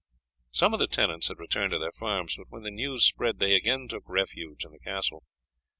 Some of the tenants had returned to their farms, but when the news spread they again took refuge in the castle.